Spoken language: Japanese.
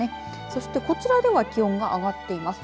そして、こちらでは気温が上がっています。